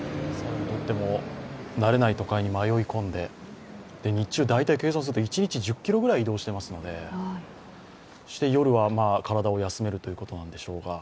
慣れない都会に迷い込んで、日中大体計算すると一日１０ｋｍぐらい移動していますので、夜は体を休めるということなんでしょうが。